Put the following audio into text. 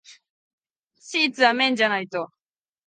シーツは綿じゃないと。